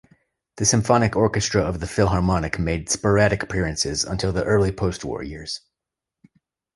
The symphonic orchestra of the Philharmonic made sporadic appearances until the early postwar years.